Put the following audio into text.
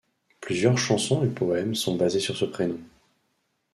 Plusieurs chansons et poèmes sont basés sur ce prénom.